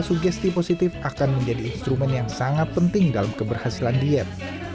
sugesti positif akan menjadi instrumen yang sangat penting dalam keberhasilan diet